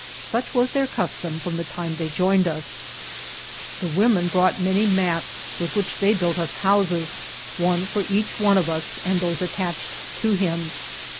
Such was their custom from the time they joined us. The women brought many mats, with which they built us houses, one for each of us and those attached to him.